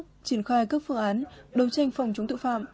triển khai các phương án đấu tranh phòng chúng tự phạm